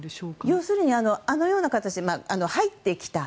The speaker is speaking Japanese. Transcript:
要するにあのような形で入ってきた。